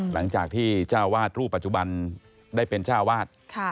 หลังจากที่เจ้าวาดรูปปัจจุบันได้เป็นเจ้าวาด